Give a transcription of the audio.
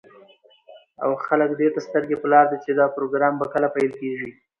او خلك دېته سترگې په لار دي، چې دا پروگرام به كله پيل كېږي.